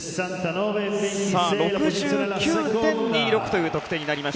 ６９．２６という得点。